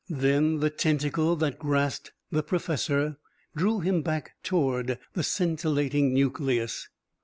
Then the tentacle that grasped the professor drew him back toward the scintillating nucleus.